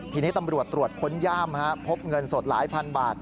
ทีนี้ตำรวจตรวจค้นย่ามพบเงินสดหลายพันบาท